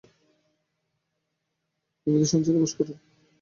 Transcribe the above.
নিয়মিত সঞ্চয়ের অভ্যাস করুন।